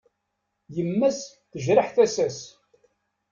Yemma-s tejreḥ tasa-s.